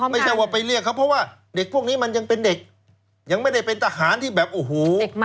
ไม่ใช่ว่าไปเรียกเขาเพราะว่าเด็กพวกนี้มันยังเป็นเด็กยังไม่ได้เป็นทหารที่แบบโอ้โห